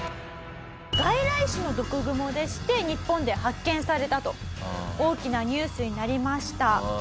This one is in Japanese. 外来種の毒グモでして日本で発見されたと大きなニュースになりました。